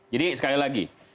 jadi sekali lagi